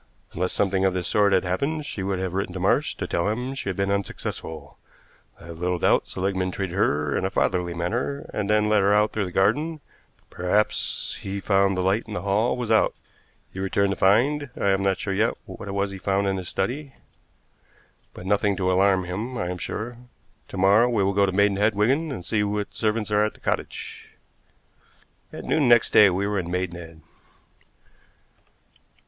Unless something of this sort had happened she would have written to Marsh to tell him she had been unsuccessful. I have little doubt Seligmann treated her in a fatherly manner, and then let her out through the garden, perhaps because he found the light in the hall was out. He returned to find I am not sure yet what it was he found in his study, but nothing to alarm him, I am sure. To morrow we will go to Maidenhead, Wigan, and see what servants are at the cottage." At noon next day we were in Maidenhead.